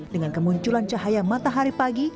dengan kemunculan cahaya matahari pagi